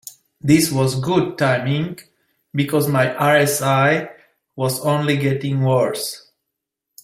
This was good timing, because my RSI was only getting worse.